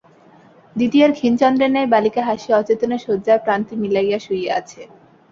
দ্বিতীয়ার ক্ষীণ চন্দ্রের ন্যায় বালিকা হাসি অচেতনে শয্যার প্রান্তে মিলাইয়া শুইয়া আছে।